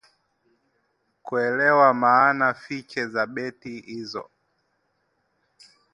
kuelewa maana fiche za beti hizo